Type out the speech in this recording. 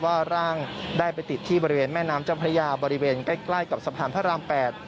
ว่าร่างได้ไปติดที่บริเวณแม่น้ำเจ้าพระยาบริเวณใกล้กับสะพานพระราม๘